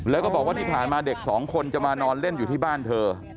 แล้วก็บอกว่าที่ผ่านมาเด็กสองคนจะมานอนเล่นอยู่ที่บ้านเธอ